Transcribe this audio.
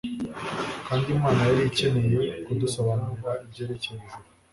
Kandi Imana yari ikeneye kudusobanurira ibyerekeye Ijuru